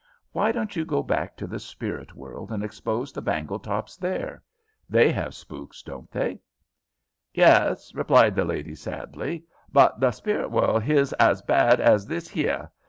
"Why don't you go back to the spirit world and expose the Bangletops there? They have spooks, haven't they?" "Yes," replied the ghost, sadly. "But the spirit world his as bad as this 'ere.